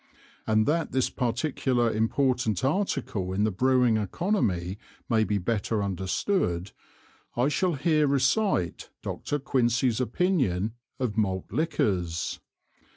And that this particular important Article in the Brewing Oeconomy may be better understood, I shall here recite Dr. Quincy's Opinion of Malt Liquors, viz.